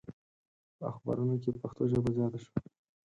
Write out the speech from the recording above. په اخبارونو کې پښتو ژبه زیاته شوه.